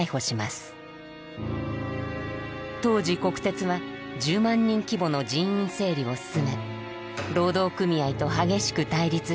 当時国鉄は１０万人規模の人員整理を進め労働組合と激しく対立していました。